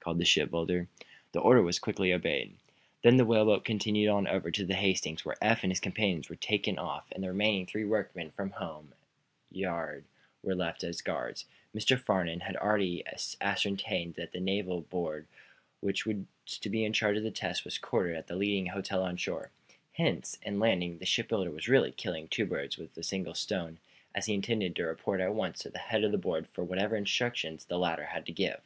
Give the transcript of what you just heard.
called the shipbuilder. This order was quickly obeyed. Then the whaleboat continued on over to the "Hastings," where Eph and his companions were taken off and the remaining three workmen from the home yard left aboard as guards. Mr. Farnum had already ascertained that the naval board which was to be in charge of the tests was quartered at the leading hotel on shore. Hence, in landing, the shipbuilder was really killing two birds with a single stone, as he intended to report at once to the head of the board for whatever instructions the latter had to give.